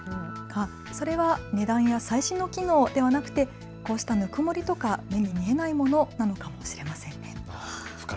それは値段や最新の機能ではなくて、こうしたぬくもりとか目に見えないものなのかもしれません。